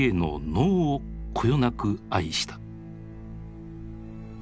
能をこよなく愛した。